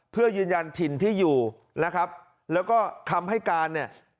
เพื่อยืนยันถิ่นที่อยู่นะครับแล้วก็คำให้การเนี่ย